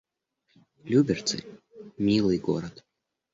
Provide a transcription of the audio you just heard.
Люберцы — милый город